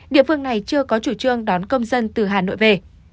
địa phương này chưa có chủ trương đón công dân từ hà nội về